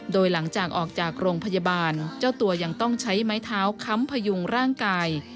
โดยหลังจากออกจากโรงพยาบาลเจ้าตัวยังต้องใช้ไม้เท้าค้ำพยุงร่างกาย